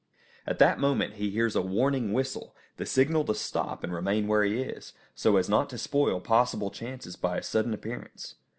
At that moment he hears a warning whistle, the signal to stop and remain where he is, so as not to spoil possible chances by his sudden appearance.